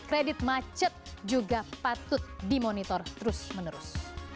kredit macet juga patut dimonitor terus menerus